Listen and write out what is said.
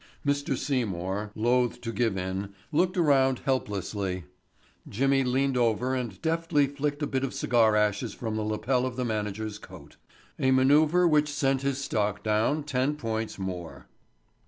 Mr. Seymour, loathe to give in, looked around helplessly. Jimmy leaned over and deftly flecked a bit of cigar ashes from the lapel of the manager's coat, a manoeuvre which sent his stock down ten points more.